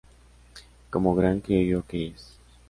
Como gran criollo que es.